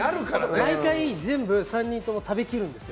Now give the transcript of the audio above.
大体、全部３人とも食べきるんですよ。